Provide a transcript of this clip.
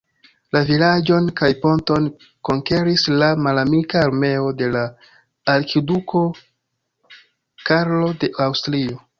La vilaĝon kaj ponton konkeris la malamika armeo de la arkiduko Karlo de Aŭstrio.